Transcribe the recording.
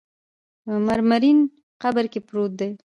په مرمرین قبر کې پروت دی.